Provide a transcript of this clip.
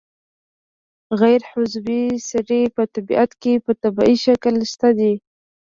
غیر عضوي سرې په طبیعت کې په طبیعي شکل شته دي.